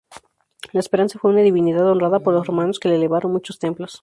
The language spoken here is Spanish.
La esperanza fue una divinidad honrada por los romanos que le elevaron muchos templos.